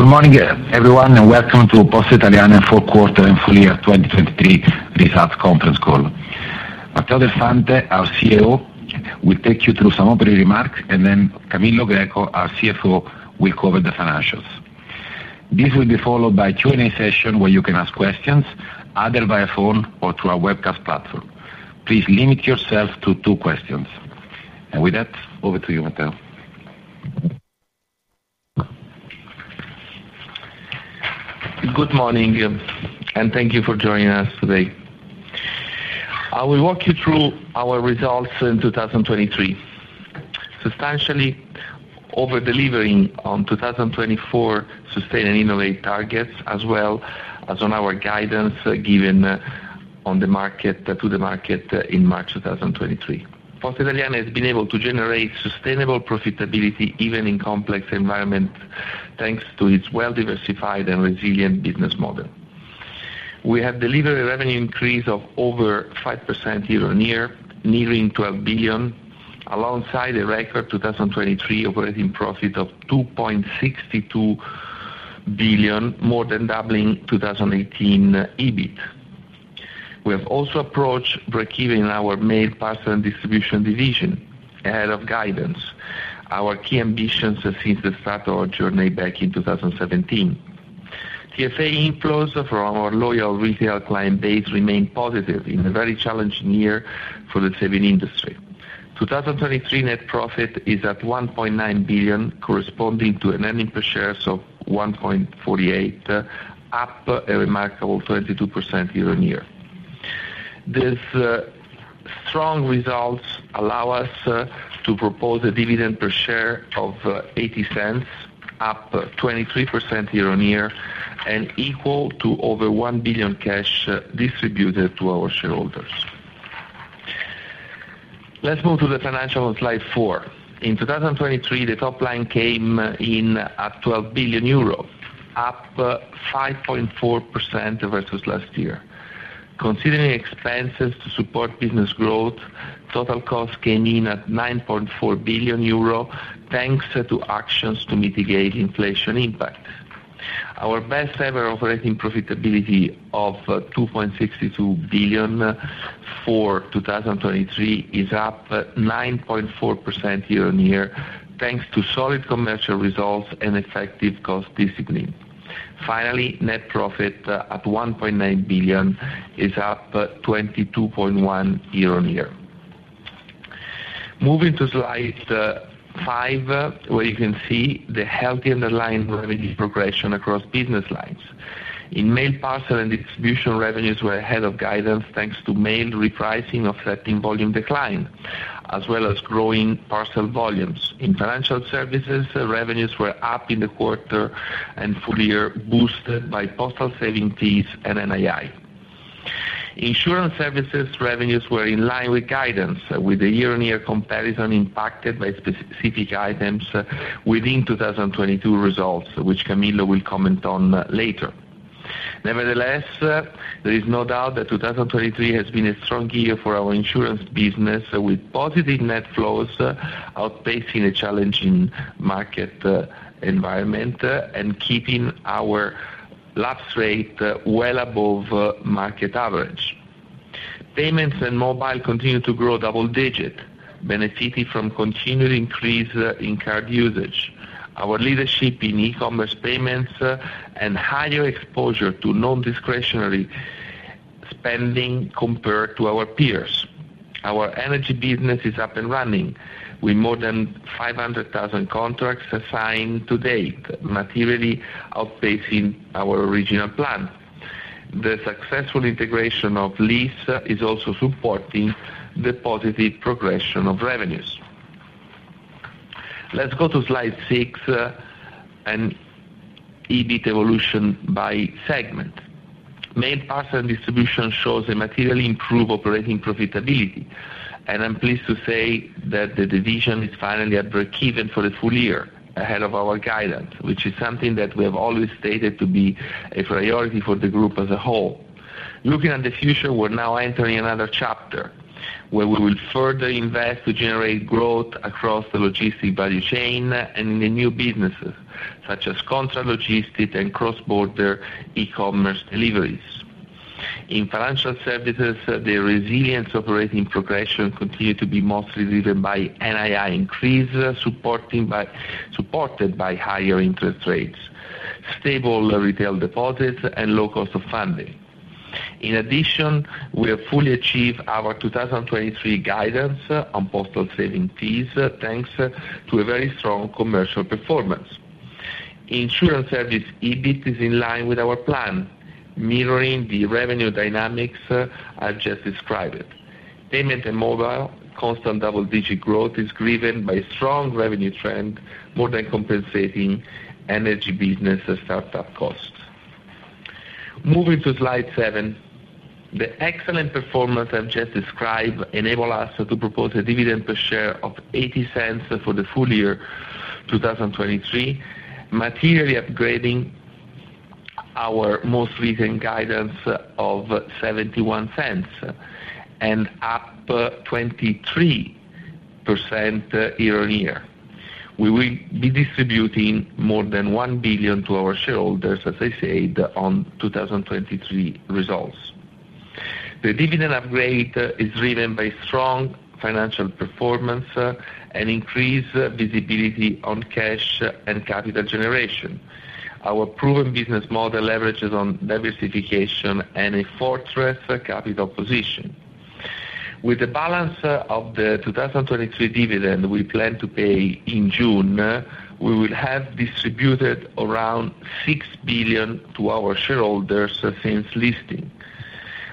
Good morning, everyone, and welcome to Poste Italiane Fourth Quarter and Full Year 2023 Results Conference Call. Matteo Del Fante, our CEO, will take you through some opening remarks, and then Camillo Greco, our CFO, will cover the financials. This will be followed by a Q&A session where you can ask questions, either via phone or through our webcast platform. Please limit yourself to two questions. With that, over to you, Matteo. Good morning, and thank you for joining us today. I will walk you through our results in 2023, substantially over-delivering on 2024 Sustain and Innovate targets as well as on our guidance given to the market in March 2023. Poste Italiane has been able to generate sustainable profitability even in complex environments thanks to its well-diversified and resilient business model. We have delivered a revenue increase of over 5% year-on-year, nearing 12 billion, alongside a record 2023 operating profit of 2.62 billion, more than doubling 2018 EBIT. We have also approached break-even in our Mail, Parcel and Distribution division ahead of guidance, our key ambitions since the start of our journey back in 2017. TFA inflows from our loyal retail client base remain positive in a very challenging year for the saving industry. 2023 net profit is at 1.9 billion, corresponding to an earnings per share of 1.48, up a remarkable 22% year-on-year. These strong results allow us to propose a dividend per share of 0.80, up 23% year-on-year, and equal to over 1 billion cash distributed to our shareholders. Let's move to the financials on slide 4. In 2023, the top line came in at 12 billion euro, up 5.4% versus last year. Considering expenses to support business growth, total costs came in at 9.4 billion euro thanks to actions to mitigate inflation impact. Our best-ever operating profitability of 2.62 billion for 2023 is up 9.4% year-on-year thanks to solid commercial results and effective cost discipline. Finally, net profit at 1.9 billion is up 22.1% year-on-year. Moving to slide 5, where you can see the healthy underlying revenue progression across business lines. In Mail, Parcel and Distribution, revenues were ahead of guidance thanks to mail repricing offsetting volume decline, as well as growing parcel volumes. In financial services, revenues were up in the quarter and full year boosted by postal savings fees and NII. Insurance services revenues were in line with guidance, with the year-on-year comparison impacted by specific items within 2022 results, which Camillo will comment on later. Nevertheless, there is no doubt that 2023 has been a strong year for our insurance business, with positive net flows outpacing a challenging market environment and keeping our lapse rate well above market average. Payments and mobile continue to grow double-digit, benefiting from continued increase in card usage, our leadership in e-commerce payments, and higher exposure to non-discretionary spending compared to our peers. Our energy business is up and running, with more than 500,000 contracts assigned to date, materially outpacing our original plan. The successful integration of LIS is also supporting the positive progression of revenues. Let's go to slide 6 and EBIT evolution by segment. Mail, Parcel & Distribution shows a materially improved operating profitability, and I'm pleased to say that the division is finally at break-even for the full year ahead of our guidance, which is something that we have always stated to be a priority for the group as a whole. Looking at the future, we're now entering another chapter where we will further invest to generate growth across the logistics value chain and in the new businesses, such as contract logistics and cross-border e-commerce deliveries. In financial services, the resilient operating progression continues to be mostly driven by NII increase supported by higher interest rates, stable retail deposits, and low cost of funding. In addition, we have fully achieved our 2023 guidance on postal saving fees thanks to a very strong commercial performance. Insurance service EBIT is in line with our plan, mirroring the revenue dynamics I've just described. Payment and mobile constant double-digit growth is driven by a strong revenue trend, more than compensating energy business startup costs. Moving to slide 7, the excellent performance I've just described enabled us to propose a dividend per share of 0.80 for the full year 2023, materially upgrading our most recent guidance of 0.71 and up 23% year-on-year. We will be distributing more than 1 billion to our shareholders, as I said, on 2023 results. The dividend upgrade is driven by strong financial performance and increased visibility on cash and capital generation. Our proven business model leverages on diversification and a fortress capital position. With the balance of the 2023 dividend we plan to pay in June, we will have distributed around 6 billion to our shareholders since listing,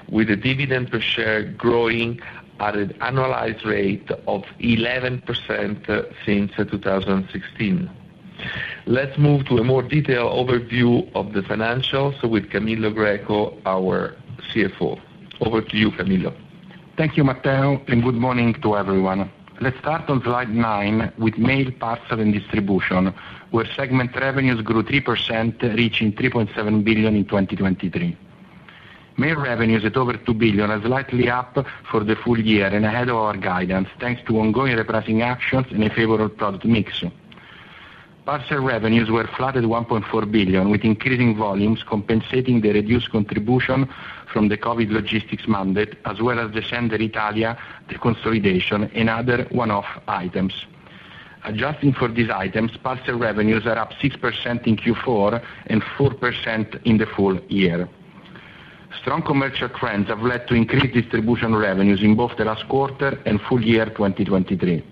with the dividend per share growing at an annualized rate of 11% since 2016. Let's move to a more detailed overview of the financials with Camillo Greco, our CFO. Over to you, Camillo. Thank you, Matteo, and good morning to everyone. Let's start on slide 9 with Mail, Parcel and Distribution, where segment revenues grew 3%, reaching 3.7 billion in 2023. Mail revenues at over 2 billion are slightly up for the full year and ahead of our guidance thanks to ongoing repricing actions and a favorable product mix. Parcel revenues were 1.4 billion, with increasing volumes compensating the reduced contribution from the COVID logistics mandate, as well as the SDA consolidation, and other one-off items. Adjusting for these items, parcel revenues are up 6% in Q4 and 4% in the full year. Strong commercial trends have led to increased distribution revenues in both the last quarter and full year 2023.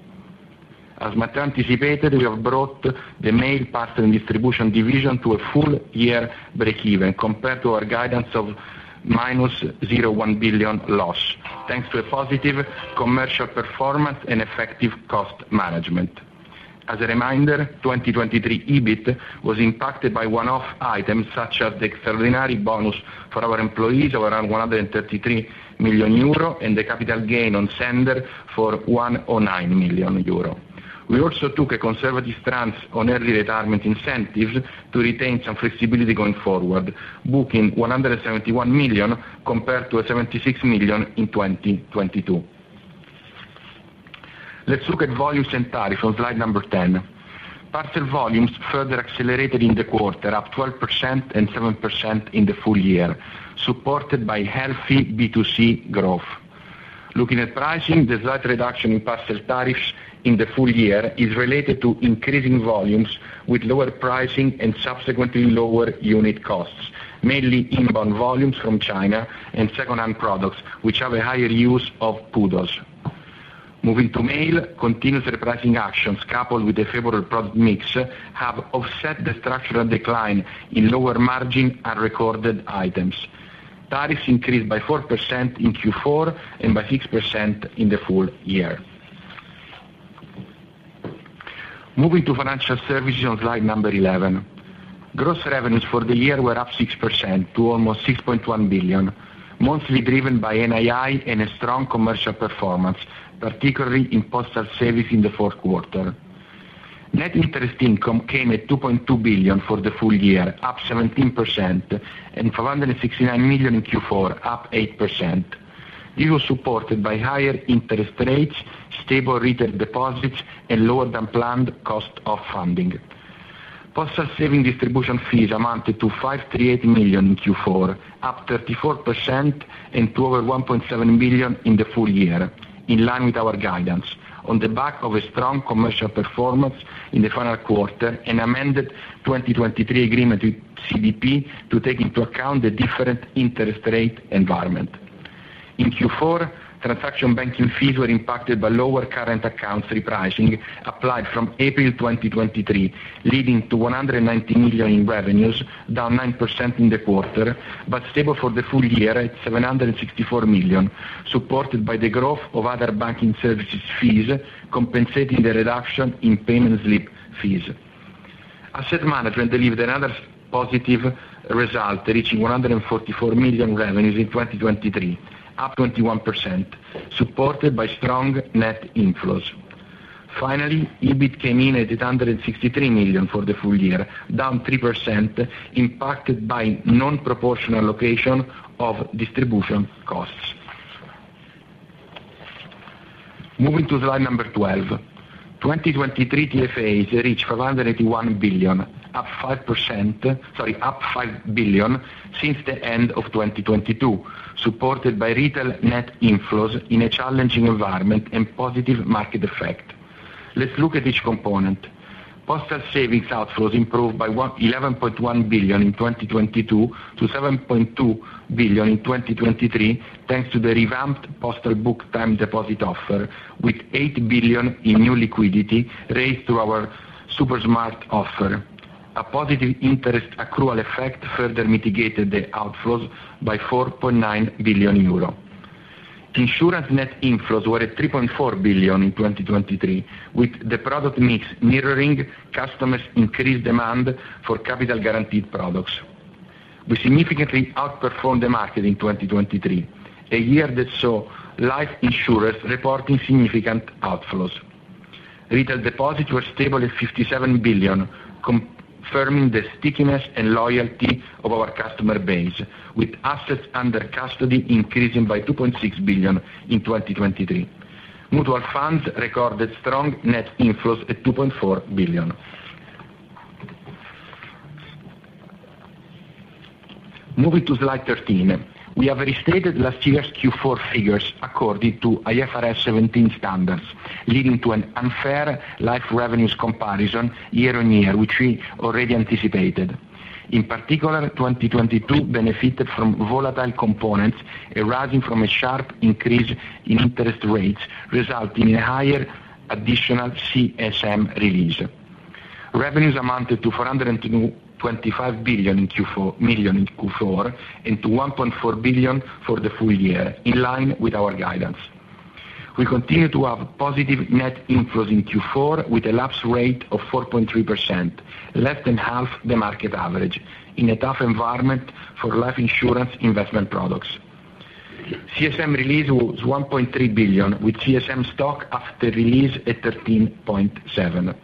As Matteo anticipated, we have brought the Mail Parcel and Distribution division to a full year break-even compared to our guidance of minus 0.1 billion loss, thanks to a positive commercial performance and effective cost management. As a reminder, 2023 EBIT was impacted by one-off items such as the extraordinary bonus for our employees of around 133 million euro and the capital gain on Sennder for 109 million euro. We also took a conservative stance on early retirement incentives to retain some flexibility going forward, booking 171 million compared to 76 million in 2022. Let's look at volumes and tariffs on slide number 10. Parcel volumes further accelerated in the quarter, up 12% and 7% in the full year, supported by healthy B2C growth. Looking at pricing, the slight reduction in parcel tariffs in the full year is related to increasing volumes with lower pricing and subsequently lower unit costs, mainly inbound volumes from China and second-hand products, which have a higher use of pouches. Moving to mail, continuous repricing actions coupled with a favorable product mix have offset the structural decline in lower margin and registered items. Tariffs increased by 4% in Q4 and by 6% in the full year. Moving to financial services on slide number 11. Gross revenues for the year were up 6% to almost 6.1 billion, mainly driven by NII and a strong commercial performance, particularly in postal savings in the fourth quarter. Net interest income came at 2.2 billion for the full year, up 17%, and 569 million in Q4, up 8%. This was supported by higher interest rates, stable retail deposits, and lower than planned cost of funding. Postal savings distribution fees amounted to 538 million in Q4, up 34%, and to over 1.7 billion in the full year, in line with our guidance, on the back of a strong commercial performance in the final quarter and amended 2023 agreement with CDP to take into account the different interest rate environment. In Q4, transaction banking fees were impacted by lower current accounts repricing applied from April 2023, leading to 190 million in revenues, down 9% in the quarter, but stable for the full year at 764 million, supported by the growth of other banking services fees compensating the reduction in payment slip fees. Asset management delivered another positive result, reaching 144 million revenues in 2023, up 21%, supported by strong net inflows. Finally, EBIT came in at 863 million for the full year, down 3%, impacted by nonproportional allocation of distribution costs. Moving to slide number 12. 2023 TFAs reached 581 billion, up 5% sorry, up 5 billion since the end of 2022, supported by retail net inflows in a challenging environment and positive market effect. Let's look at each component. Postal savings outflows improved by 11.1 billion in 2022 to 7.2 billion in 2023 thanks to the revamped postal book time deposit offer, with 8 billion in new liquidity raised through our SuperSmart offer. A positive interest accrual effect further mitigated the outflows by 4.9 billion euro. Insurance net inflows were at 3.4 billion in 2023, with the product mix mirroring customers' increased demand for capital-guaranteed products. We significantly outperformed the market in 2023, a year that saw life insurers reporting significant outflows. Retail deposits were stable at 57 billion, confirming the stickiness and loyalty of our customer base, with assets under custody increasing by 2.6 billion in 2023. Mutual funds recorded strong net inflows at 2.4 billion. Moving to slide 13. We have restated last year's Q4 figures according to IFRS 17 standards, leading to an unfair life revenues comparison year-over-year, which we already anticipated. In particular, 2022 benefited from volatile components arising from a sharp increase in interest rates, resulting in a higher additional CSM release. Revenues amounted to 425 million in Q4 and to 1.4 billion for the full year, in line with our guidance. We continue to have positive net inflows in Q4 with a lapse rate of 4.3%, less than half the market average, in a tough environment for life insurance investment products. CSM release was 1.3 billion, with CSM stock after release at 13.7.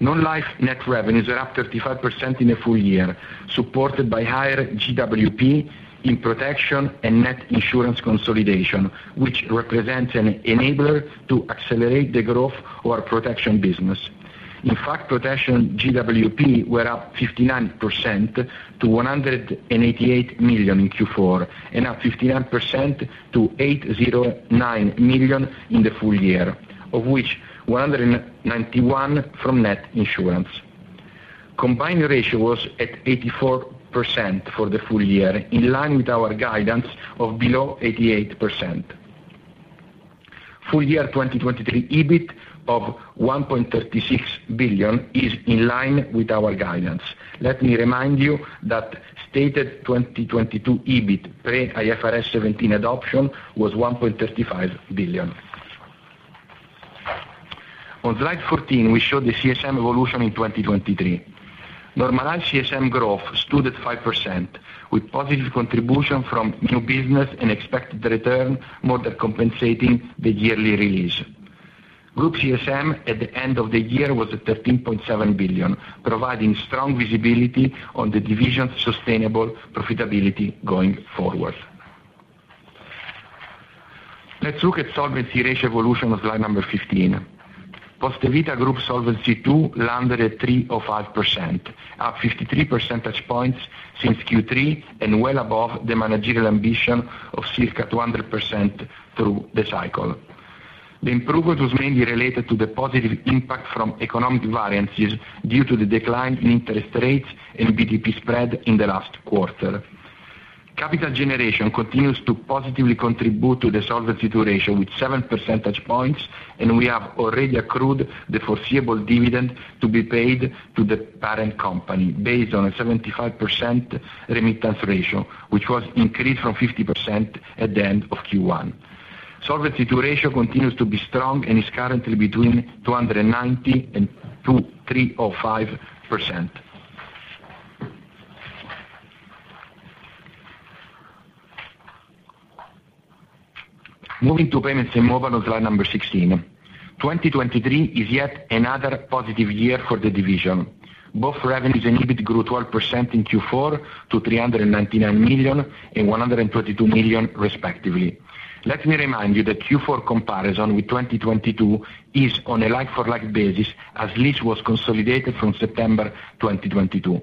Non-life net revenues are up 35% in the full year, supported by higher GWP in protection and net insurance consolidation, which represents an enabler to accelerate the growth of our protection business. In fact, protection GWP were up 59% to 188 million in Q4 and up 59% to 809 million in the full year, of which 191 from net insurance. Combined ratio was at 84% for the full year, in line with our guidance of below 88%. Full year 2023 EBIT of 1.36 billion is in line with our guidance. Let me remind you that stated 2022 EBIT pre-IFRS 17 adoption was 1.35 billion. On slide 14, we show the CSM evolution in 2023. Normalized CSM growth stood at 5%, with positive contribution from new business and expected return more than compensating the yearly release. Group CSM at the end of the year was at 13.7 billion, providing strong visibility on the division's sustainable profitability going forward. Let's look at solvency ratio evolution on slide number 15. Poste Vita Group Solvency II landed at 305%, up 53 percentage points since Q3 and well above the managerial ambition of circa 200% through the cycle. The improvement was mainly related to the positive impact from economic variances due to the decline in interest rates and BTP spread in the last quarter. Capital generation continues to positively contribute to the solvency ratio with 7 percentage points, and we have already accrued the foreseeable dividend to be paid to the parent company based on a 75% remittance ratio, which was increased from 50% at the end of Q1. Solvency ratio continues to be strong and is currently between 290% and 325%. Moving to payments and mobile on slide number 16. 2023 is yet another positive year for the division. Both revenues and EBIT grew 12% in Q4 to 399 million and 122 million, respectively. Let me remind you that Q4 comparison with 2022 is on a life-for-life basis, as LIS was consolidated from September 2022.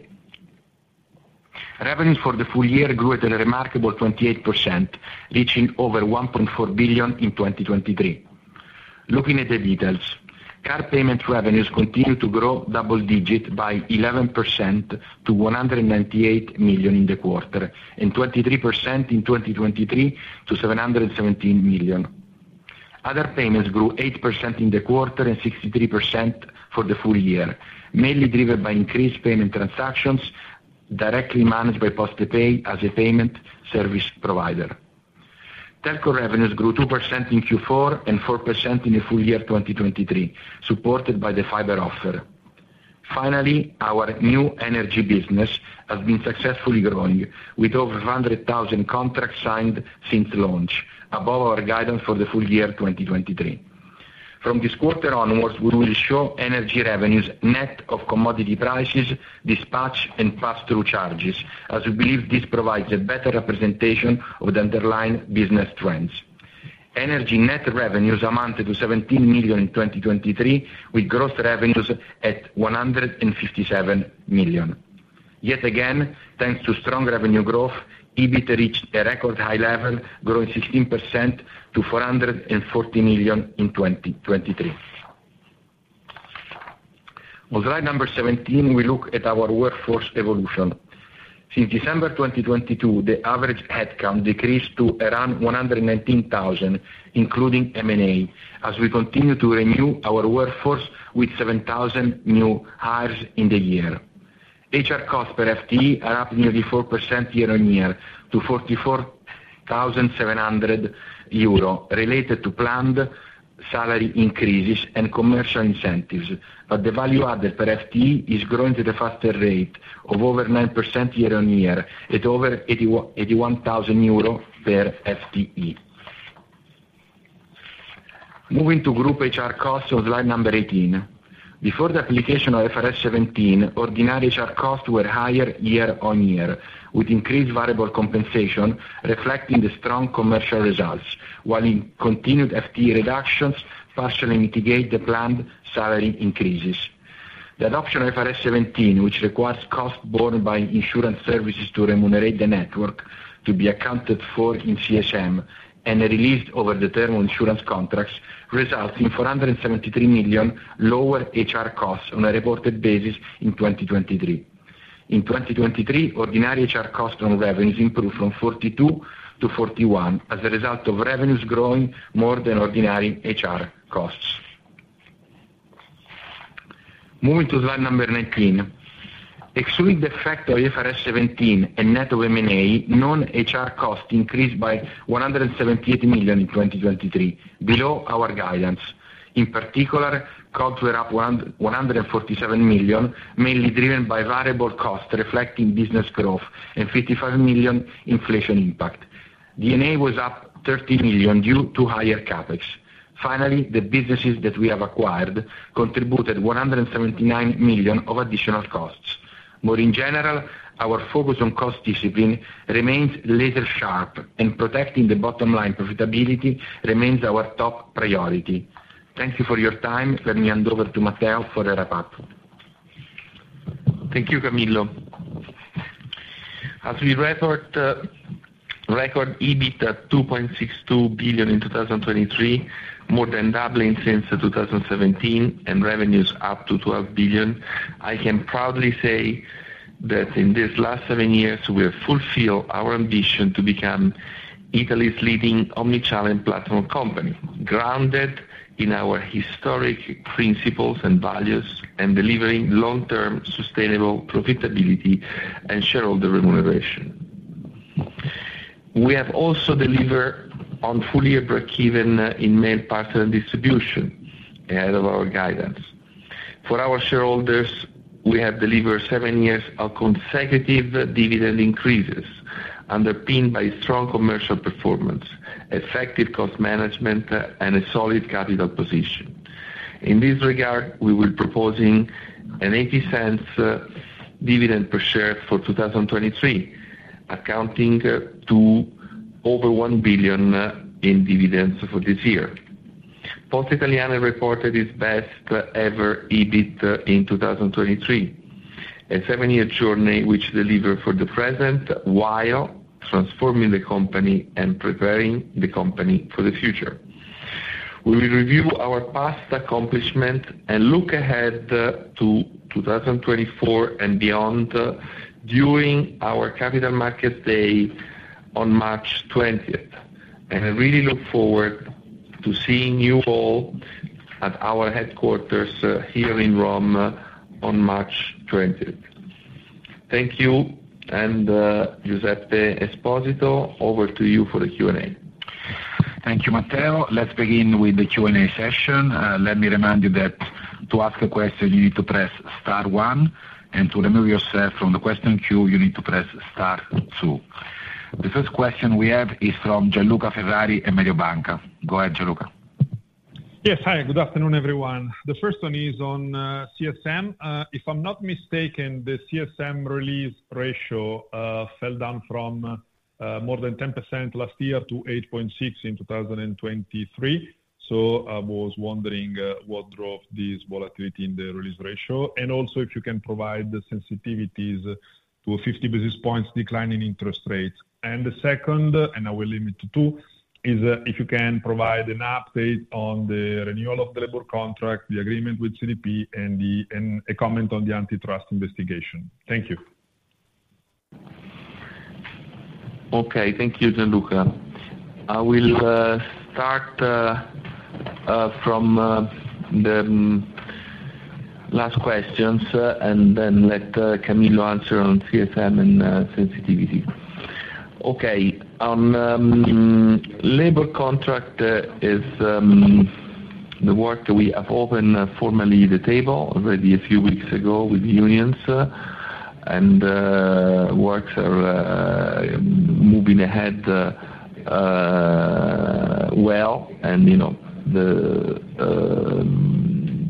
Revenues for the full year grew at a remarkable 28%, reaching over 1.4 billion in 2023. Looking at the details, car payment revenues continue to grow double-digit by 11% to 198 million in the quarter and 23% in 2023 to 717 million. Other payments grew 8% in the quarter and 63% for the full year, mainly driven by increased payment transactions directly managed by PostePay as a payment service provider. Telco revenues grew 2% in Q4 and 4% in the full year 2023, supported by the fiber offer. Finally, our new energy business has been successfully growing, with over 500,000 contracts signed since launch, above our guidance for the full year 2023. From this quarter onwards, we will show energy revenues net of commodity prices, dispatch, and pass-through charges, as we believe this provides a better representation of the underlying business trends. Energy net revenues amounted to 17 million in 2023, with gross revenues at 157 million. Yet again, thanks to strong revenue growth, EBIT reached a record high level, growing 16% to 440 million in 2023. On slide number 17, we look at our workforce evolution. Since December 2022, the average headcount decreased to around 119,000, including M&A, as we continue to renew our workforce with 7,000 new hires in the year. HR costs per FTE are up nearly 4% year-on-year to 44,700 euro, related to planned salary increases and commercial incentives, but the value added per FTE is growing at a faster rate of over 9% year-on-year at over 81,000 euro per FTE. Moving to group HR costs on slide number 18. Before the application of IFRS 17, ordinary HR costs were higher year-on-year, with increased variable compensation reflecting the strong commercial results, while continued FTE reductions partially mitigate the planned salary increases. The adoption of IFRS 17, which requires costs borne by insurance services to remunerate the network to be accounted for in CSM and released over the term on insurance contracts, results in 473 million lower HR costs on a reported basis in 2023. In 2023, ordinary HR costs on revenues improved from 42 to 41 as a result of revenues growing more than ordinary HR costs. Moving to slide number 19. Excluding the effect of IFRS 17 and net of M&A, non-HR costs increased by 178 million in 2023, below our guidance. In particular, costs were up 147 million, mainly driven by variable costs reflecting business growth and 55 million inflation impact. D&A was up 30 million due to higher CapEx. Finally, the businesses that we have acquired contributed 179 million of additional costs. More in general, our focus on cost discipline remains laser sharp, and protecting the bottom line profitability remains our top priority. Thank you for your time. Let me hand over to Matteo for a wrap-up. Thank you, Camillo. As we record EBIT at 2.62 billion in 2023, more than doubling since 2017, and revenues up to 12 billion, I can proudly say that in these last seven years, we have fulfilled our ambition to become Italy's leading omnichannel platform company, grounded in our historic principles and values, and delivering long-term sustainable profitability and shareholder remuneration. We have also delivered on full year break-even in mail, parcel, and distribution ahead of our guidance. For our shareholders, we have delivered seven years of consecutive dividend increases underpinned by strong commercial performance, effective cost management, and a solid capital position. In this regard, we will be proposing an 0.80 dividend per share for 2023, accounting to over 1 billion in dividends for this year. Poste Italiane reported its best-ever EBIT in 2023, a seven-year journey which delivered for the present while transforming the company and preparing the company for the future. We will review our past accomplishments and look ahead to 2024 and beyond during our Capital Markets Day on March 20th, and I really look forward to seeing you all at our headquarters here in Rome on March 20th. Thank you. And Giuseppe Esposito, over to you for the Q&A. Thank you, Matteo. Let's begin with the Q&A session. Let me remind you that to ask a question, you need to press star one, and to remove yourself from the question queue, you need to press star two. The first question we have is from Gianluca Ferrari at Mediobanca. Go ahead, Gianluca. Yes. Hi. Good afternoon, everyone. The first one is on CSM. If I'm not mistaken, the CSM release ratio fell down from more than 10% last year to 8.6% in 2023. So I was wondering what drove this volatility in the release ratio and also if you can provide the sensitivities to a 50 basis points decline in interest rates. And the second, and I will limit to two, is if you can provide an update on the renewal of the labor contract, the agreement with CDP, and a comment on the antitrust investigation. Thank you. Okay. Thank you, Gianluca. I will start from the last questions and then let Camillo answer on CSM and sensitivities. Okay. Labor contract is the work that we have opened formally the table already a few weeks ago with unions, and works are moving ahead well. And the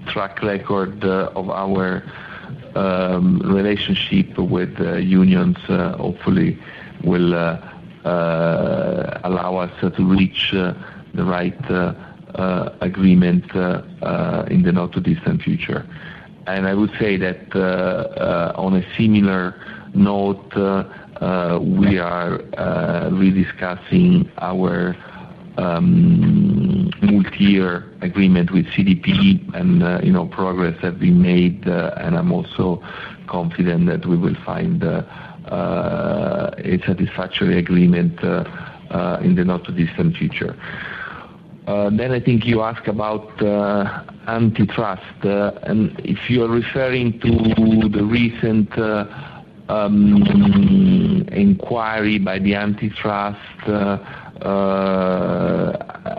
track record of our relationship with unions, hopefully, will allow us to reach the right agreement in the not-too-distant future. I would say that on a similar note, we are rediscussing our multi-year agreement with CDP, and progress has been made. I'm also confident that we will find a satisfactory agreement in the not-too-distant future. I think you asked about antitrust. If you are referring to the recent inquiry by the antitrust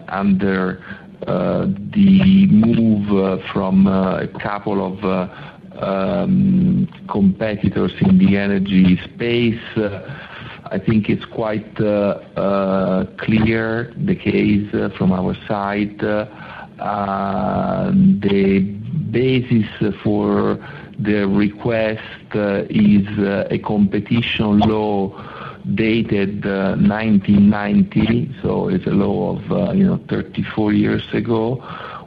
under the move from a couple of competitors in the energy space, I think it's quite clear the case from our side. The basis for the request is a competition law dated 1990. It's a law of 34 years ago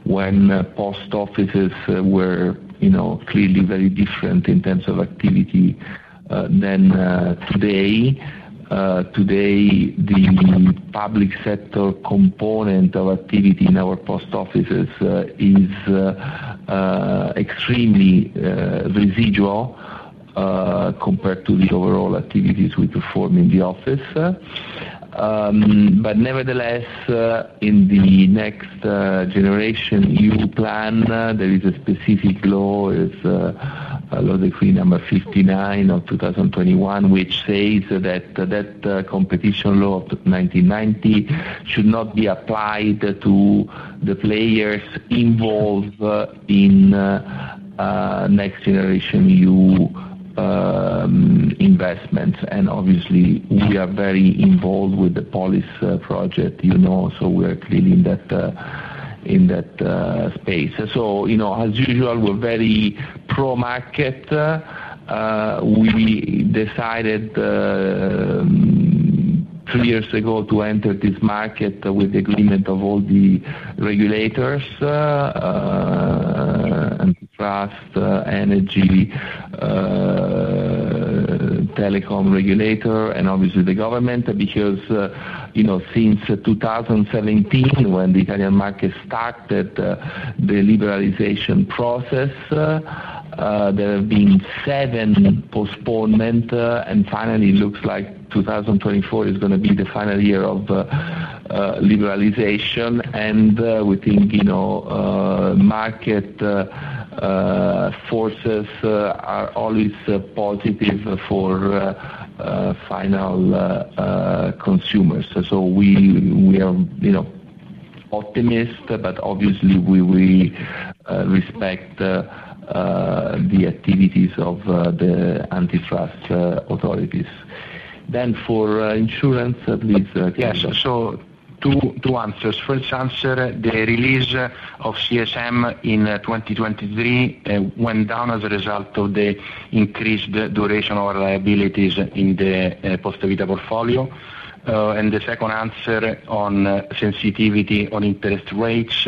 when post offices were clearly very different in terms of activity than today. Today, the public sector component of activity in our post offices is extremely residual compared to the overall activities we perform in the office. But nevertheless, in the next generation EU plan, there is a specific law, Law Decree No. 59 of 2021, which says that that competition law of 1990 should not be applied to the players involved in next-generation EU investments. And obviously, we are very involved with the policy project. So we are clearly in that space. So as usual, we're very pro-market. We decided three years ago to enter this market with the agreement of all the regulators, antitrust, energy, telecom regulator, and obviously, the government, because since 2017, when the Italian market started the liberalization process, there have been seven postponements. And finally, it looks like 2024 is going to be the final year of liberalization. And we think market forces are always positive for final consumers. So we are optimists, but obviously, we respect the activities of the antitrust authorities. Then for insurance, please, Camillo. Yes. So two answers. First answer, the release of CSM in 2023 went down as a result of the increased duration of our liabilities in the Poste Vita portfolio. And the second answer on sensitivity on interest rates,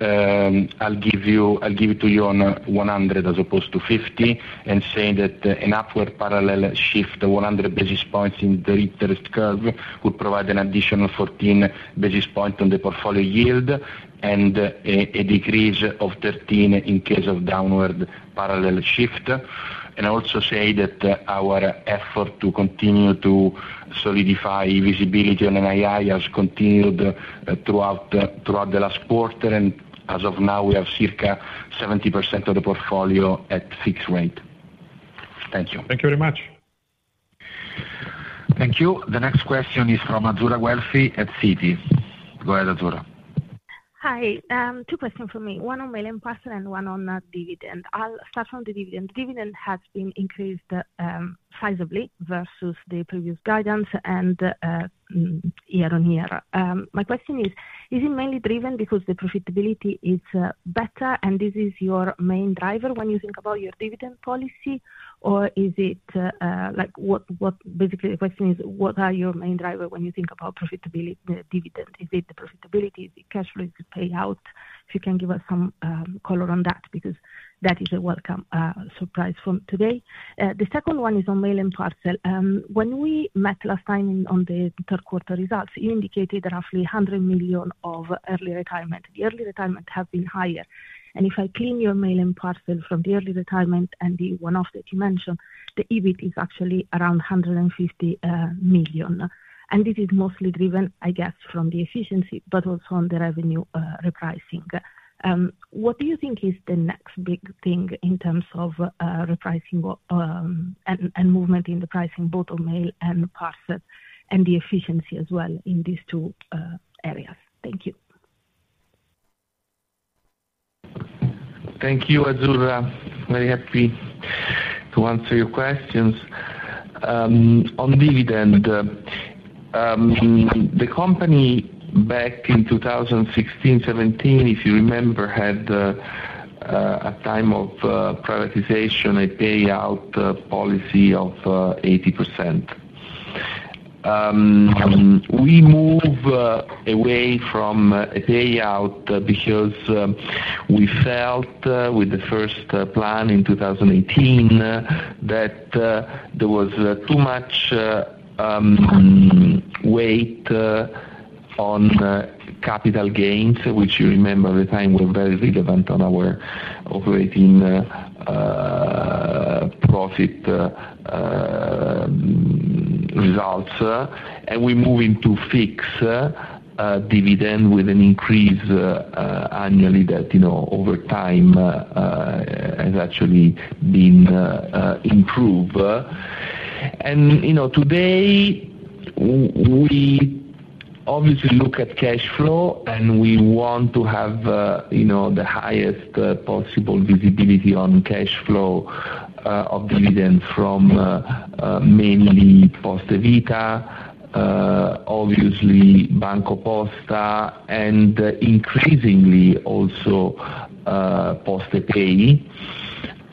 I'll give it to you on 100 as opposed to 50 and say that an upward parallel shift of 100 basis points in the interest curve would provide an additional 14 basis points on the portfolio yield and a decrease of 13 in case of downward parallel shift. And I also say that our effort to continue to solidify visibility on NII has continued throughout the last quarter. And as of now, we have circa 70% of the portfolio at fixed rate. Thank you. Thank you very much. Thank you. The next question is from Azzurra Guelfi at Citi. Go ahead, Azzurra. Hi. Two questions for me, one on mail and parcel and one on dividend. I'll start from the dividend. Dividend has been increased sizably versus the previous guidance and year-over-year. My question is, is it mainly driven because the profitability is better, and this is your main driver when you think about your dividend policy, or is it basically, the question is, what are your main drivers when you think about profitability dividend? Is it the profitability? Is it cash flow? Is it payout? If you can give us some color on that, because that is a welcome surprise from today. The second one is on mail and parcel. When we met last time on the third quarter results, you indicated roughly 100 million of early retirement. The early retirement has been higher. If I clean your mail and parcel from the early retirement and the one-off that you mentioned, the EBIT is actually around 150 million. This is mostly driven, I guess, from the efficiency but also on the revenue repricing. What do you think is the next big thing in terms of repricing and movement in the pricing, both on mail and parcel and the efficiency as well in these two areas? Thank you. Thank you, Azzurra. Very happy to answer your questions. On dividend, the company back in 2016, 2017, if you remember, had a time of privatization and payout policy of 80%. We moved away from a payout because we felt with the first plan in 2018 that there was too much weight on capital gains, which you remember at the time were very relevant on our operating profit results. We moved into fixed dividend with an increase annually that over time has actually been improved. Today, we obviously look at cash flow, and we want to have the highest possible visibility on cash flow of dividends from mainly Poste Vita, obviously, BancoPosta, and increasingly also PostePay.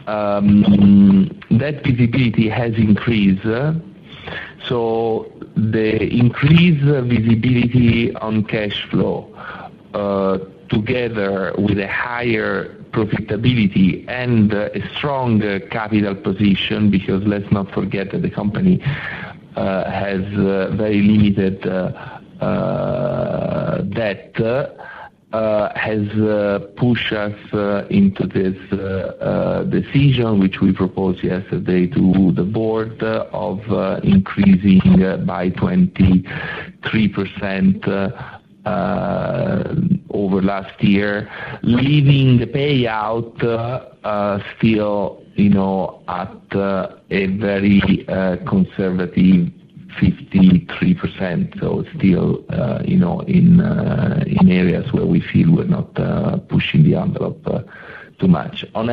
That visibility has increased. So the increased visibility on cash flow together with a higher profitability and a stronger capital position, because let's not forget that the company has very limited debt, has pushed us into this decision, which we proposed yesterday to the board of increasing by 23% over last year, leaving the payout still at a very conservative 53%. So it's still in areas where we feel we're not pushing the envelope too much. On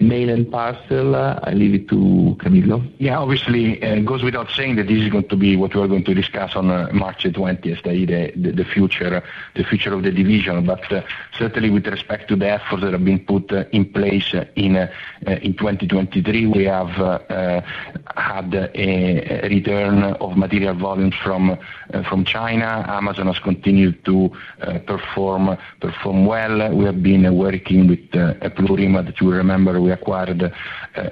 mail and parcel, I leave it to Camillo. Yeah. Obviously, it goes without saying that this is going to be what we are going to discuss on March 20th, the future of the division. But certainly, with respect to the efforts that have been put in place in 2023. We have had a return of material volumes from China. Amazon has continued to perform well. We have been working with Plurima that you remember we acquired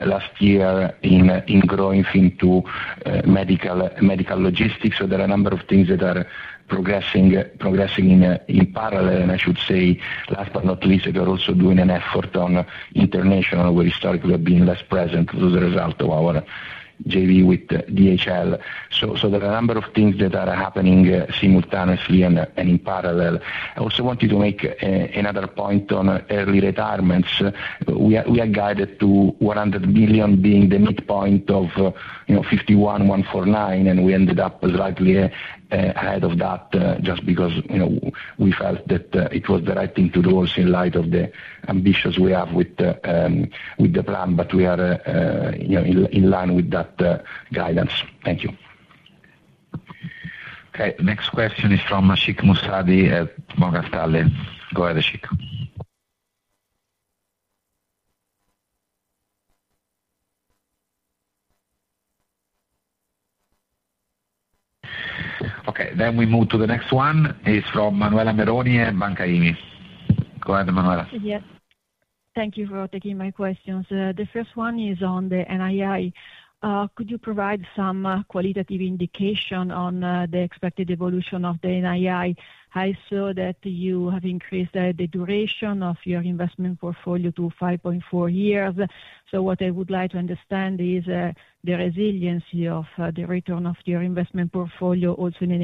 last year in growing into medical logistics. So there are a number of things that are progressing in parallel. And I should say, last but not least, we are also doing an effort on international where historically we have been less present as a result of our JV with DHL. So there are a number of things that are happening simultaneously and in parallel. I also wanted to make another point on early retirements. We are guided to 100 million being the midpoint of 51-149. And we ended up slightly ahead of that just because we felt that it was the right thing to do also in light of the ambitions we have with the plan. But we are in line with that guidance. Thank you. Okay. The next question is from Ashik Musaddi at Morgan Stanley. Go ahead, Ashik. Okay. Then we move to the next one. It's from Manuela Meroni at Banca IMI. Go ahead, Manuela. Yes. Thank you for taking my questions. The first one is on the NII. Could you provide some qualitative indication on the expected evolution of the NII? I saw that you have increased the duration of your investment portfolio to 5.4 years. So what I would like to understand is the resiliency of the return of your investment portfolio also in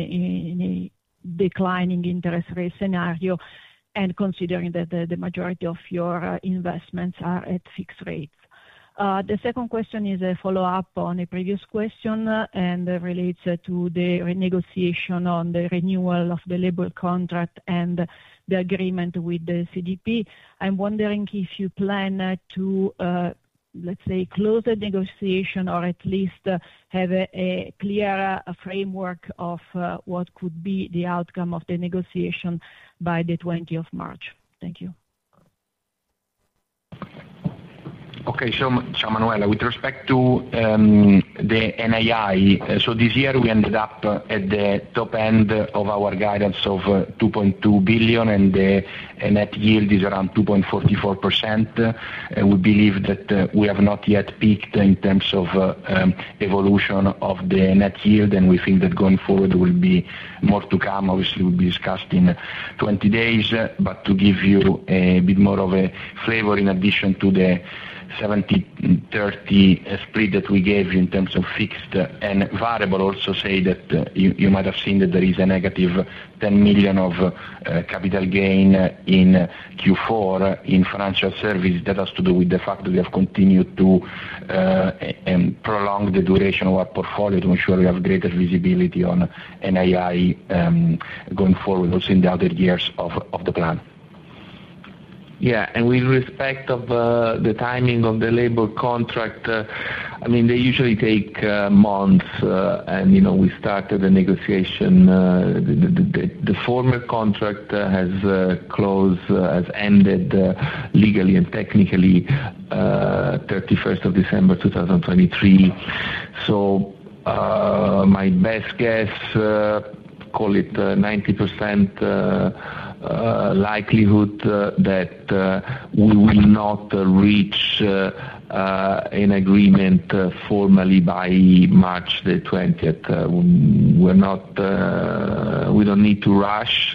a declining interest rate scenario and considering that the majority of your investments are at fixed rates. The second question is a follow-up on a previous question and relates to the renegotiation on the renewal of the labor contract and the agreement with the CDP. I'm wondering if you plan to, let's say, close the negotiation or at least have a clear framework of what could be the outcome of the negotiation by the 20th of March. Thank you. Okay. So, Manuela, with respect to the NII, so this year, we ended up at the top end of our guidance of 2.2 billion, and the net yield is around 2.44%. We believe that we have not yet peaked in terms of evolution of the net yield. And we think that going forward, there will be more to come. Obviously, it will be discussed in 20 days. But to give you a bit more of a flavor, in addition to the 70/30 split that we gave you in terms of fixed and variable, also say that you might have seen that there is a negative 10 million of capital gain in Q4 in financial services. That has to do with the fact that we have continued to prolong the duration of our portfolio to ensure we have greater visibility on NII going forward also in the other years of the plan. Yeah. And with respect to the timing of the labor contract, I mean, they usually take months. And we started the negotiation. The former contract has ended legally and technically 31st of December, 2023. So my best guess, call it 90% likelihood that we will not reach an agreement formally by March the 20th. We don't need to rush.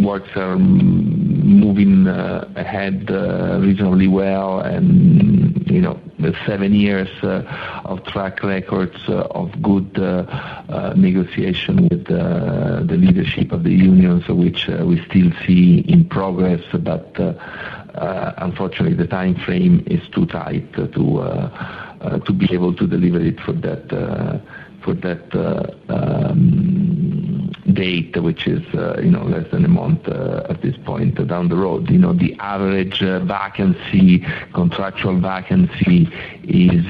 Works are moving ahead reasonably well. And seven years of track records of good negotiation with the leadership of the union, which we still see in progress. But unfortunately, the time frame is too tight to be able to deliver it for that date, which is less than a month at this point down the road. The average contractual vacancy is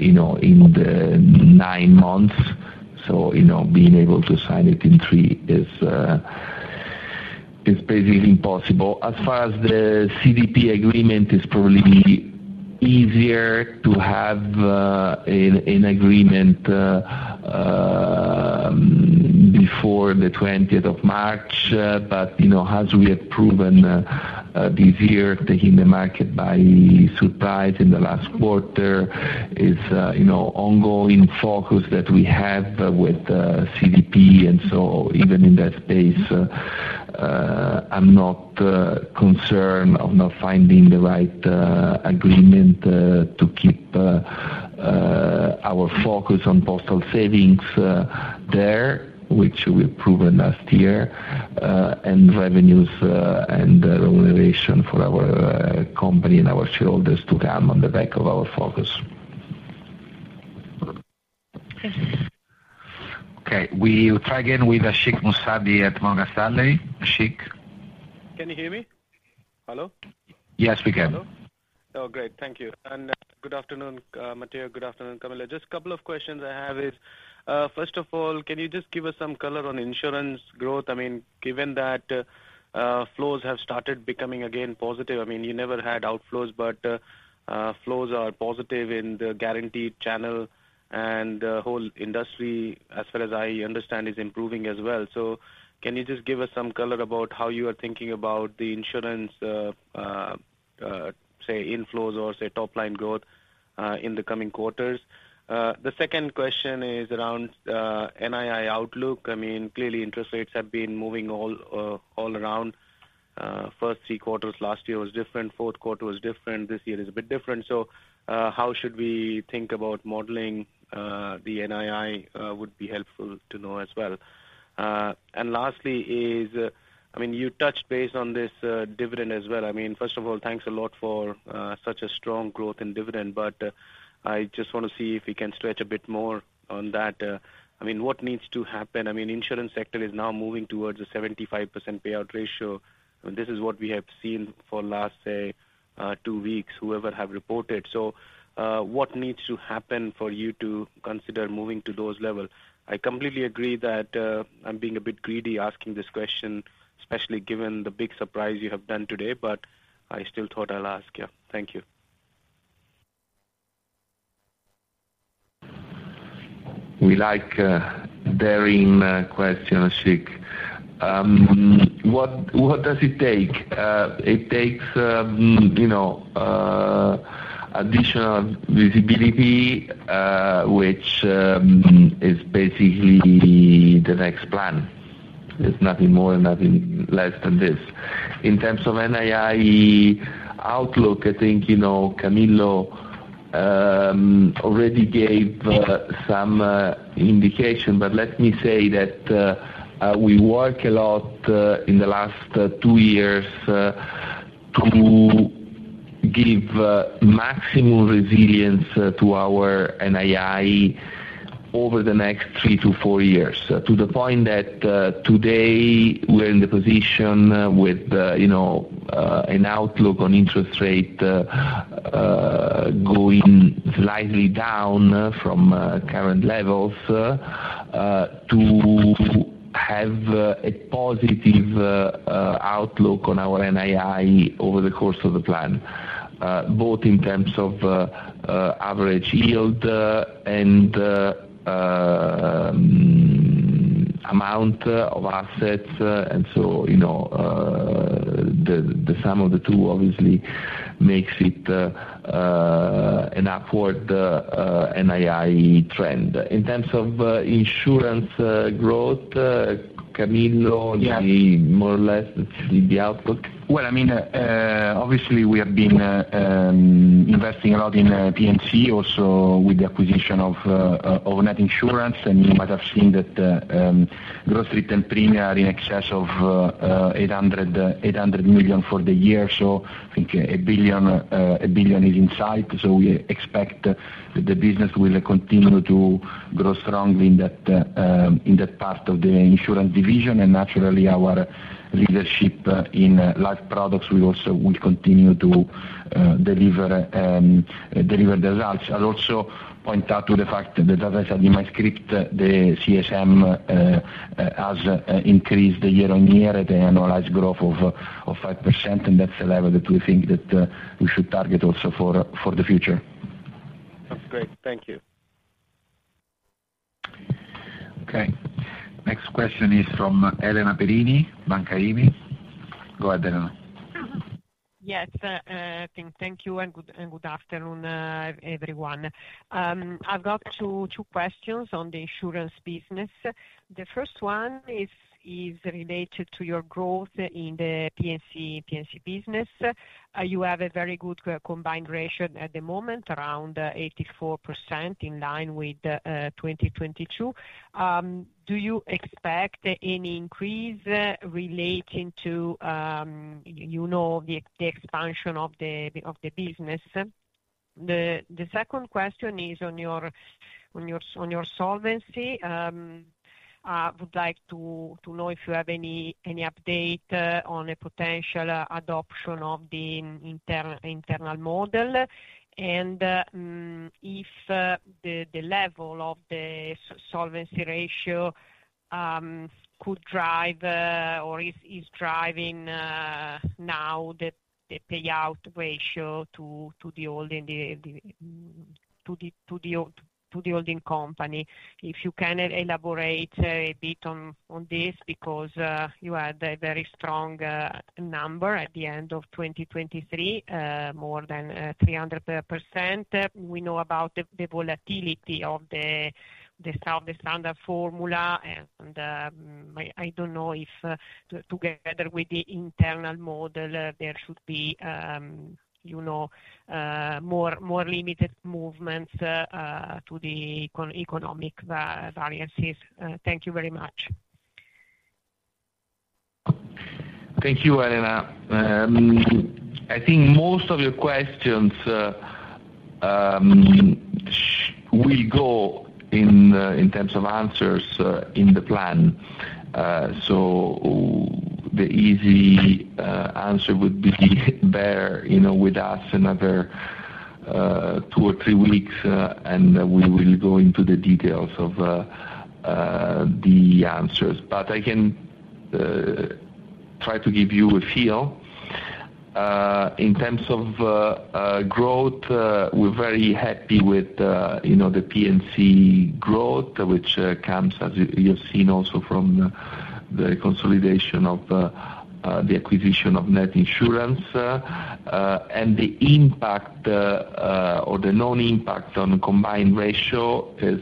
in nine months. So being able to sign it in three is basically impossible. As far as the CDP agreement, it's probably easier to have an agreement before the 20th of March. But as we have proven this year, taking the market by surprise in the last quarter is an ongoing focus that we have with CDP. And so even in that space, I'm not concerned of not finding the right agreement to keep our focus on postal savings there, which we have proven last year, and revenues and remuneration for our company and our shareholders to come on the back of our focus. Okay. We will try again with Ashik Moussadi at Morgan Stanley. Ashik? Can you hear me? Hello? Yes, we can. Hello? Oh, great. Thank you. And good afternoon, Matteo. Good afternoon, Camillo. Just a couple of questions I have is. First of all, can you just give us some color on insurance growth? I mean, given that flows have started becoming again positive, I mean, you never had outflows, but flows are positive in the guaranteed channel. And the whole industry, as far as I understand, is improving as well. So can you just give us some color about how you are thinking about the insurance, say, inflows or, say, top-line growth in the coming quarters? The second question is around NII outlook. I mean, clearly, interest rates have been moving all around. First three quarters last year was different. Fourth quarter was different. This year is a bit different. So how should we think about modeling the NII would be helpful to know as well. And lastly is, I mean, you touched base on this dividend as well. I mean, first of all, thanks a lot for such a strong growth in dividend. But I just want to see if we can stretch a bit more on that. I mean, what needs to happen? I mean, the insurance sector is now moving towards a 75% payout ratio. This is what we have seen for the last, say, two weeks, whoever have reported. What needs to happen for you to consider moving to those levels? I completely agree that I'm being a bit greedy asking this question, especially given the big surprise you have done today. I still thought I'll ask. Yeah. Thank you. We like daring questions, Ashik. What does it take? It takes additional visibility, which is basically the next plan. There's nothing more and nothing less than this. In terms of NII outlook, I think Camillo already gave some indication. Let me say that we work a lot in the last two years to give maximum resilience to our NII over the next three to four years to the point that today, we're in the position with an outlook on interest rate going slightly down from current levels to have a positive outlook on our NII over the course of the plan, both in terms of average yield and amount of assets. And so the sum of the two, obviously, makes it an upward NII trend. In terms of insurance growth, Camillo, more or less, that's the outlook? Well, I mean, obviously, we have been investing a lot in P&C also with the acquisition of Net Insurance. And you might have seen that gross written premiums are in excess of 800 million for the year. So I think a billion is in sight. So we expect that the business will continue to grow strongly in that part of the insurance division. And naturally, our leadership in life products, we also will continue to deliver the results. I'd also point out to the fact that, as I said in my script, the CSM has increased year-on-year at an annualized growth of 5%. And that's the level that we think that we should target also for the future. Sounds great. Thank you. Okay. Next question is from Elena Perini, Banca IMI. Go ahead, Elena. Yes. Thank you. And good afternoon, everyone. I've got two questions on the insurance business. The first one is related to your growth in the P&C business. You have a very good combined ratio at the moment around 84% in line with 2022. Do you expect any increase relating to the expansion of the business? The second question is on your solvency. I would like to know if you have any update on a potential adoption of the internal model and if the level of the solvency ratio could drive or is driving now the payout ratio to the holding to the holding company. If you can elaborate a bit on this because you had a very strong number at the end of 2023, more than 300%. We know about the volatility of the standard formula. I don't know if together with the internal model, there should be more limited movements to the economic variances. Thank you very much. Thank you, Elena. I think most of your questions will go in terms of answers in the plan. So the easy answer would be there with us in another two or three weeks. And we will go into the details of the answers. But I can try to give you a feel. In terms of growth, we're very happy with the P&C growth, which comes, as you've seen also, from the consolidation of the acquisition of Net Insurance. And the impact or the known impact on the combined ratio is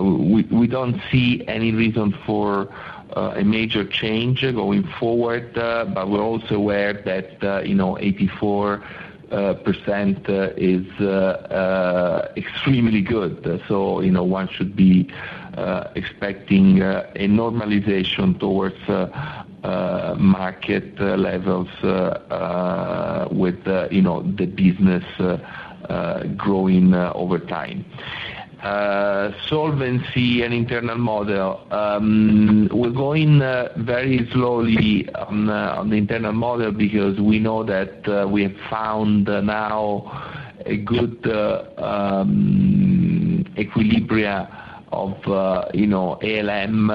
we don't see any reason for a major change going forward. But we're also aware that 84% is extremely good. So one should be expecting a normalization towards market levels with the business growing over time. Solvency and internal model, we're going very slowly on the internal model because we know that we have found now a good equilibria of ALM.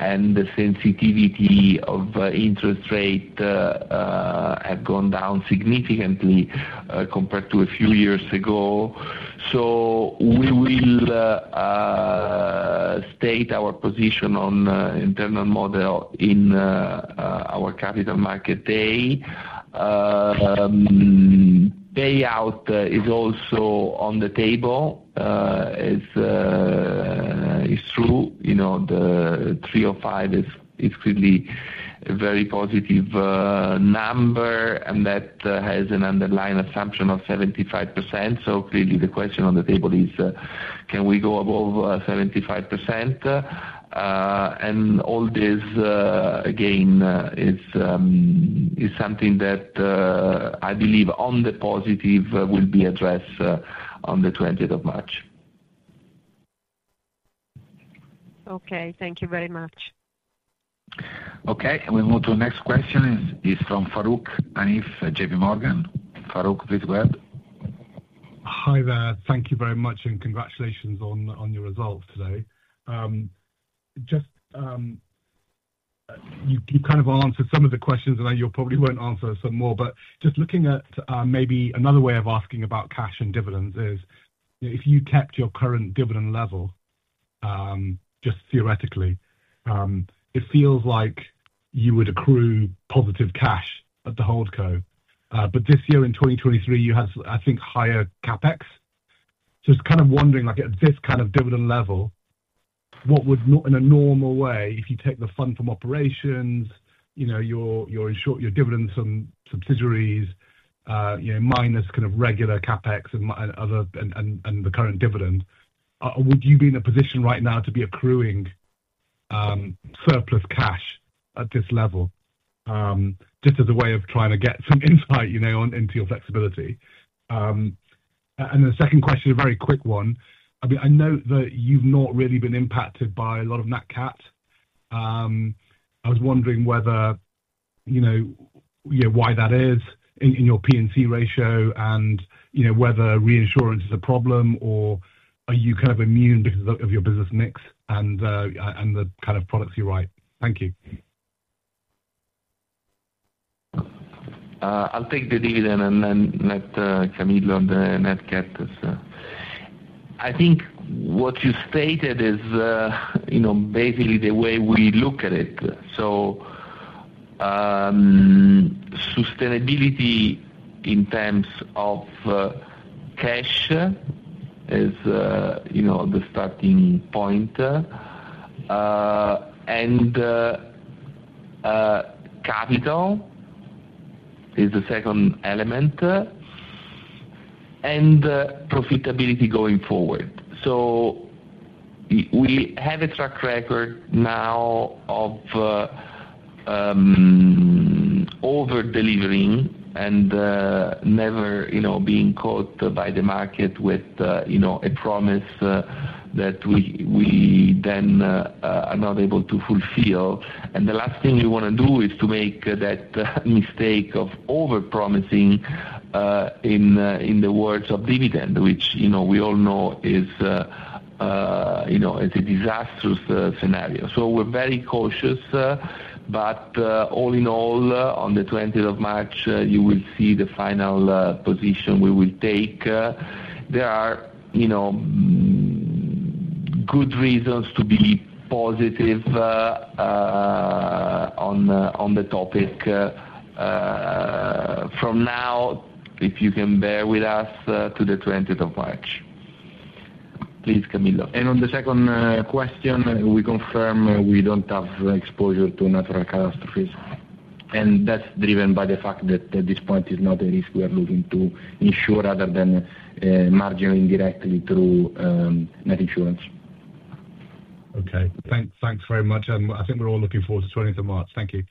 And the sensitivity of interest rate has gone down significantly compared to a few years ago. So we will state our position on internal model in our Capital Markets Day. Payout is also on the table. It's true. The 305 is clearly a very positive number. That has an underlying assumption of 75%. Clearly, the question on the table is, can we go above 75%? All this, again, is something that I believe on the positive will be addressed on the 20th of March. Okay. Thank you very much. Okay. We'll move to the next question. It's from Farooq Hanif, J.P. Morgan. Farooq, please go ahead. Hi there. Thank you very much. Congratulations on your results today. You kind of answered some of the questions. You probably won't answer some more. Just looking at maybe another way of asking about cash and dividends is if you kept your current dividend level, just theoretically, it feels like you would accrue positive cash at the holdco. This year, in 2023, you had, I think, higher CapEx. So I was kind of wondering, at this kind of dividend level, what would, in a normal way, if you take the funds from operations, your dividends from subsidiaries minus kind of regular CapEx and the current dividend, would you be in a position right now to be accruing surplus cash at this level just as a way of trying to get some insight into your flexibility? And the second question, a very quick one, I mean, I note that you've not really been impacted by a lot of nat cats. I was wondering why that is in your P&C ratio and whether reinsurance is a problem. Or are you kind of immune because of your business mix and the kind of products you write? Thank you. I'll take the dividend and then Camillo on the nat cats. I think what you stated is basically the way we look at it. Sustainability in terms of cash is the starting point. Capital is the second element. Profitability going forward. We have a track record now of overdelivering and never being caught by the market with a promise that we then are not able to fulfill. The last thing we want to do is to make that mistake of overpromising in the words of dividend, which we all know is a disastrous scenario. We're very cautious. But all in all, on the 20th of March, you will see the final position we will take. There are good reasons to be positive on the topic from now, if you can bear with us, to the 20th of March. Please, Camillo. On the second question, we confirm we don't have exposure to natural catastrophes. And that's driven by the fact that at this point, it's not a risk we are looking to insure other than marginally indirectly through Net Insurance. Okay. Thanks very much. And I think we're all looking forward to the 20th of March. Thank you.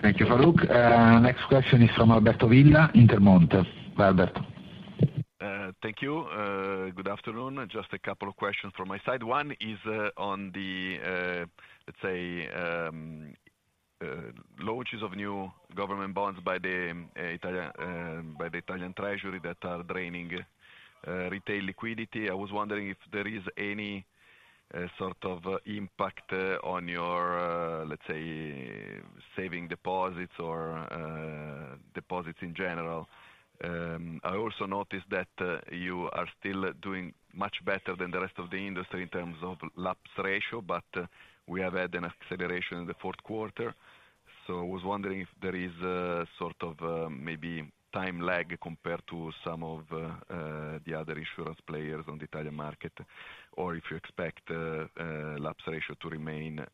Thank you, Farouk. Next question is from Alberto Villa, Intermonte. Alberto. Thank you. Good afternoon. Just a couple of questions from my side. One is on the, let's say, launches of new government bonds by the Italian Treasury that are draining retail liquidity. I was wondering if there is any sort of impact on your, let's say, savings deposits or deposits in general. I also noticed that you are still doing much better than the rest of the industry in terms of lapse rate. But we have had an acceleration in the fourth quarter. So I was wondering if there is sort of maybe time lag compared to some of the other insurance players on the Italian market or if you expect lapse ratio to remain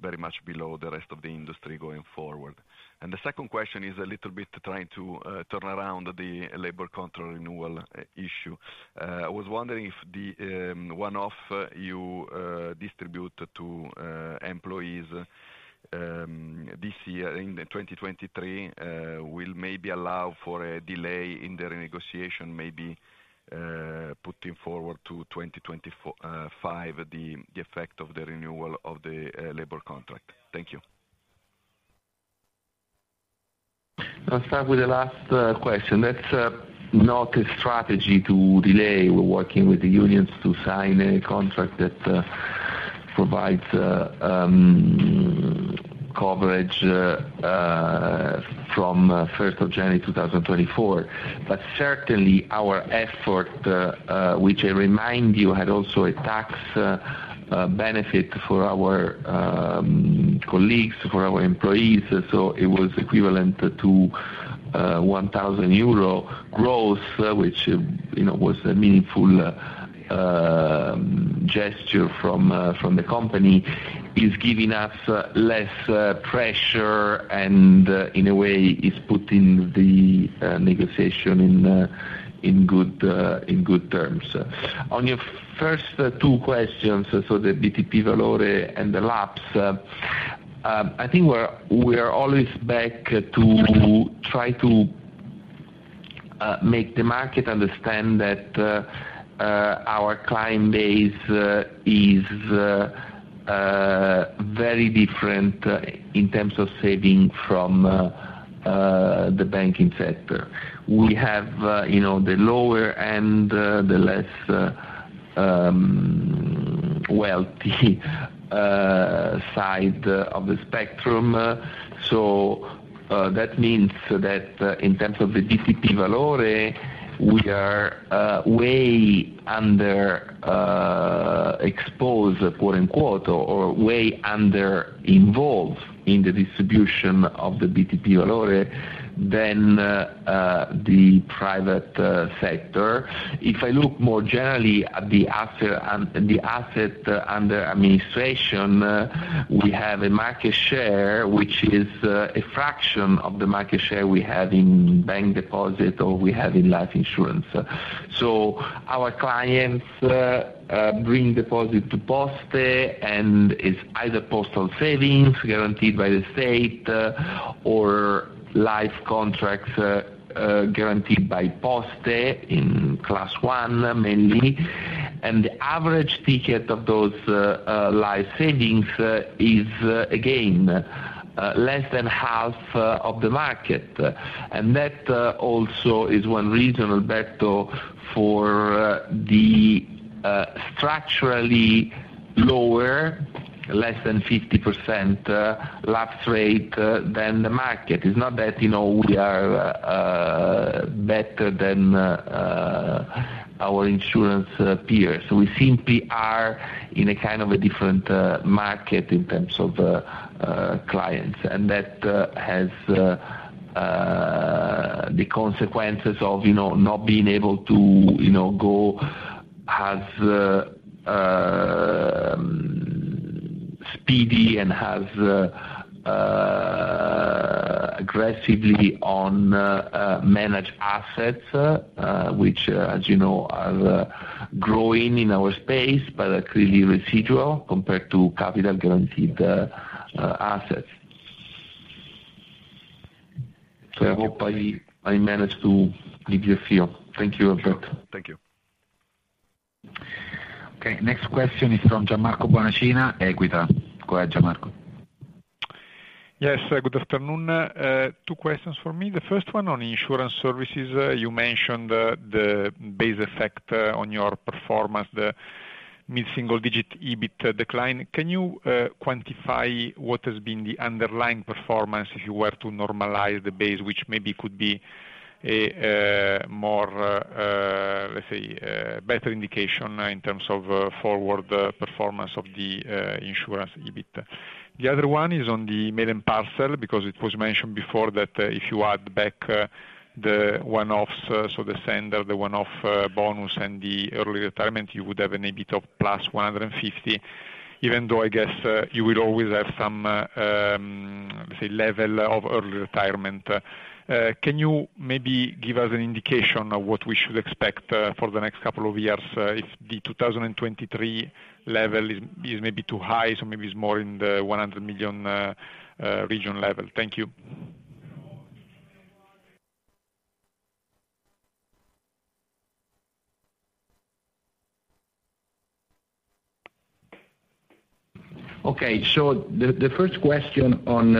very much below the rest of the industry going forward. And the second question is a little bit trying to turn around the labor contract renewal issue. I was wondering if the one-off you distribute to employees this year in 2023 will maybe allow for a delay in the renegotiation, maybe putting forward to 2025 the effect of the renewal of the labor contract. Thank you. I'll start with the last question. That's not a strategy to delay. We're working with the unions to sign a contract that provides coverage from 1st of January 2024. But certainly, our effort, which I remind you had also a tax benefit for our colleagues, for our employees. So it was equivalent to 1,000 euro gross, which was a meaningful gesture from the company. It's giving us less pressure. And in a way, it's putting the negotiation in good terms. On your first two questions, so the BTP Valore and the lapse, I think we're always back to try to make the market understand that our client base is very different in terms of saving from the banking sector. We have the lower-end, the less wealthy side of the spectrum. So that means that in terms of the BTP Valore, we are way underexposed "quote-unquote" or way underinvolved in the distribution of the BTP Valore than the private sector. If I look more generally at the asset under administration, we have a market share, which is a fraction of the market share we have in bank deposit or we have in life insurance. So our clients bring deposits to Poste. And it's either postal savings guaranteed by the state or life contracts guaranteed by Poste in class one, mainly. And the average ticket of those life savings is, again, less than half of the market. And that also is one reason, Alberto, for the structurally lower, less than 50% lapse rate than the market. It's not that we are better than our insurance peers. We simply are in a kind of a different market in terms of clients. And that has the consequences of not being able to go as speedy and as aggressively on managed assets, which, as you know, are growing in our space but are clearly residual compared to capital-guaranteed assets. So I hope I managed to give you a feel. Thank you, Alberto. Thank you. Okay. Next question is from Gianmarco Bonacina, Equita. Go ahead, Gianmarco. Yes. Good afternoon. Two questions for me. The first one, on insurance services, you mentioned the base effect on your performance, the mid-single-digit EBIT decline. Can you quantify what has been the underlying performance if you were to normalize the base, which maybe could be a more, let's say, better indication in terms of forward performance of the insurance EBIT? The other one is on the mail and parcel because it was mentioned before that if you add back the one-offs, so the SDA, the one-off bonus, and the early retirement, you would have an EBIT of +150 million, even though I guess you will always have some, let's say, level of early retirement. Can you maybe give us an indication of what we should expect for the next couple of years if the 2023 level is maybe too high? So maybe it's more in the 100 million region level. Thank you. Okay. So the first question on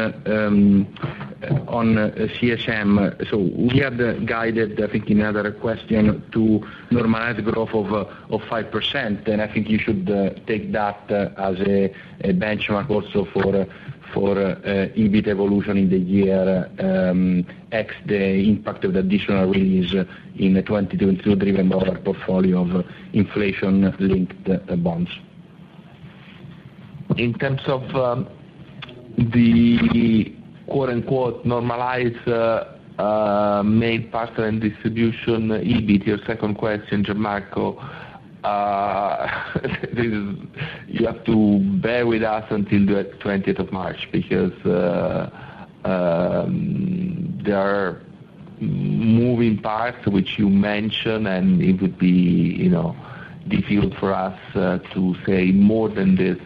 CSM, so we had guided, I think, another question to normalize growth of 5%. And I think you should take that as a benchmark also for EBIT evolution in the year X, the impact of the additional release in the 2022-driven dollar portfolio of inflation-linked bonds. In terms of the "normalize mail, parcel, and distribution EBIT," your second question, Gianmarco, you have to bear with us until the 20th of March because there are moving parts which you mentioned. And it would be difficult for us to say more than this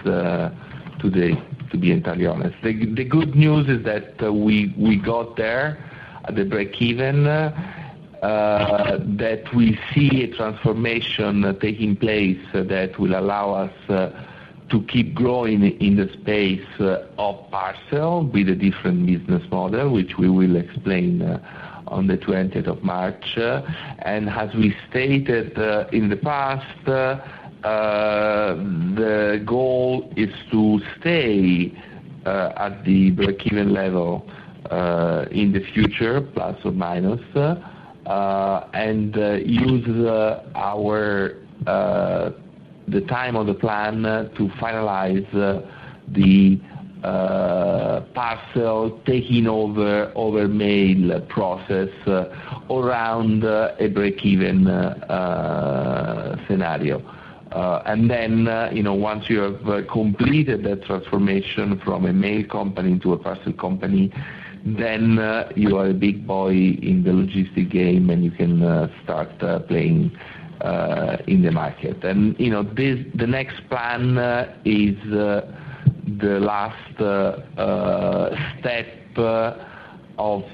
today, to be entirely honest. The good news is that we got there at the break-even, that we see a transformation taking place that will allow us to keep growing in the space of parcel with a different business model, which we will explain on the 20th of March. As we stated in the past, the goal is to stay at the break-even level in the future ±, and use the time of the plan to finalize the parcel taking over over mail process around a break-even scenario. And then once you have completed that transformation from a mail company to a parcel company, then you are a big boy in the logistics game. And you can start playing in the market. And the next plan is the last step of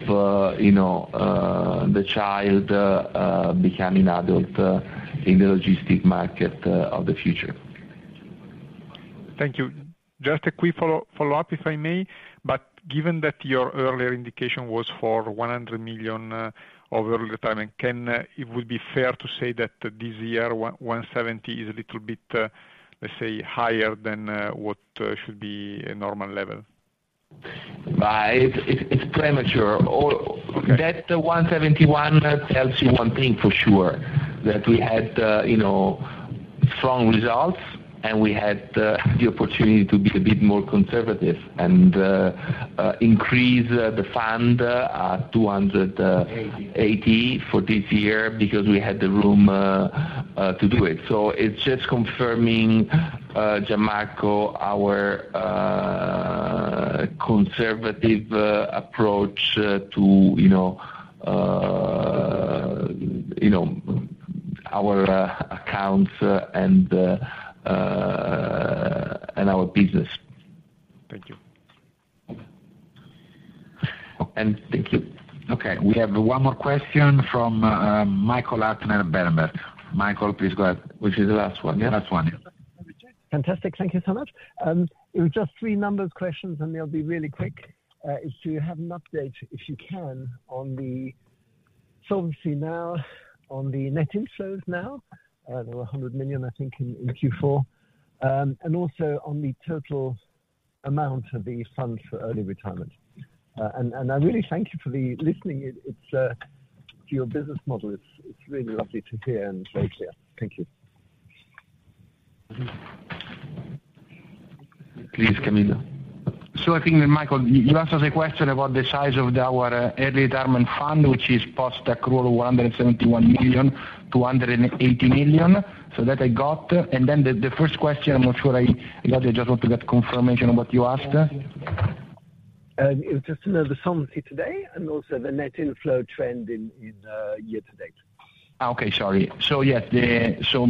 the child becoming adult in the logistics market of the future. Thank you. Just a quick follow-up, if I may. But given that your earlier indication was for 100 million over early retirement, would it be fair to say that this year, 170 million is a little bit, let's say, higher than what should be a normal level? It's premature. That 171 tells you one thing for sure, that we had strong results. And we had the opportunity to be a bit more conservative and increase the fund at 280 for this year because we had the room to do it. So it's just confirming, Gianmarco, our conservative approach to our accounts and our business. Thank you. And thank you. Okay. We have one more question from Michael Huttner, Berenberg. Michael, please go ahead, which is the last one. The last one. Yeah. Fantastic. Thank you so much. It was just three numbers questions. And they'll be really quick. It's to have an update, if you can, on the sovereignty now, on the net inflows now. There were 100 million, I think, in Q4 and also on the total amount of the funds for early retirement. And I really thank you for listening. It's to your business model. It's really lovely to hear and very clear. Thank you. Please, Camillo. So I think, Michael, you asked us a question about the size of our early retirement fund, which is post accrual of 171 million, 280 million. So that I got. And then the first question, I'm not sure I got it. I just want to get confirmation on what you asked. It was just to know the solvency today and also the net inflow trend in year-to-date. Okay. Sorry. So yes. So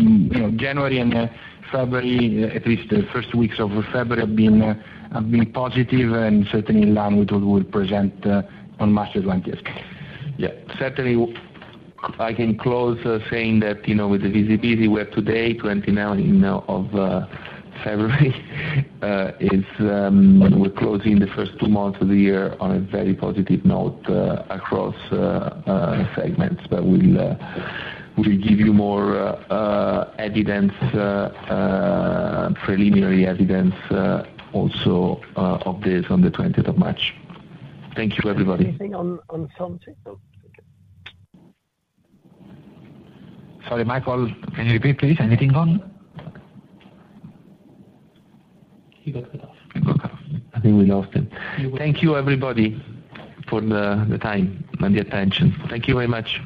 January and February, at least the first weeks of February, have been positive. And certainly, in line, we will present on March 20th. Yeah. Certainly, I can close saying that with the visibility we have today, February 29th, we're closing the first two months of the year on a very positive note across segments. But we'll give you more evidence, preliminary evidence also of this on the 20th of March. Thank you, everybody. He got cut off.. Thank you, everybody, for the time and the attention. Thank you very much.